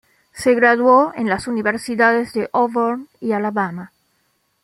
Se graduó en las universidades de Auburn y Alabama.